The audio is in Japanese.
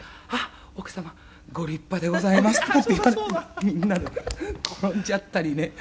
「“奥様ご立派でございます”とかって言われてみんなで転んじゃったりね」